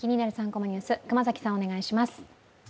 ３コマニュース」、熊崎さん、お願いします。